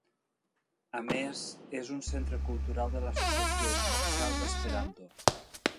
A més és un centre cultural de l'Associació Universal d'Esperanto.